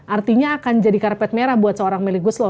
artinya akan jadi karpet merah buat seorang meli guslo